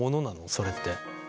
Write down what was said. それって。